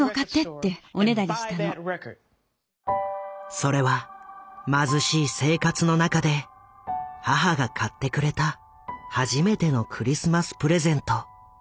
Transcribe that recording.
それは貧しい生活の中で母が買ってくれた初めてのクリスマスプレゼント。